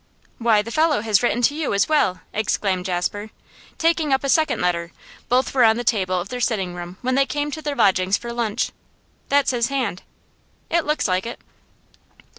'Why, the fellow has written to you as well!' exclaimed Jasper, taking up a second letter; both were on the table of their sitting room when they came to their lodgings for lunch. 'That's his hand.' 'It looks like it.